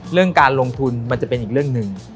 เรื่องการลงทุนมันจะเป็นอีกเรื่องหนึ่ง